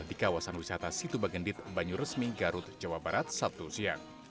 di kawasan wisata situ bagendit banyuresmi garut jawa barat sabtu siang